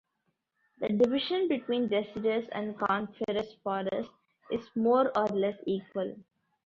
The division between deciduous and coniferous forests is more or less equal.